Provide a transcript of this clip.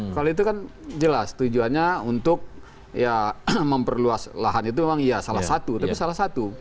kalau itu kan jelas tujuannya untuk ya memperluas lahan itu memang ya salah satu tapi salah satu